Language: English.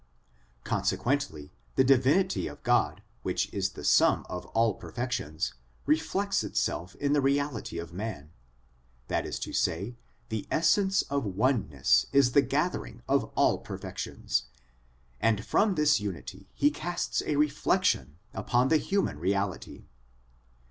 Consequently the Divinity of God, which is the sum of all perfections, reflects itself in the reality of man ; that is to say, the Essence of Oneness is the gathering of all perfections, and from this unity He casts a reflection upon the human reality.